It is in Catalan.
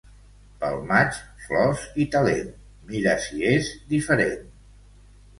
Pel maig, flors i talent, mira si és diferent.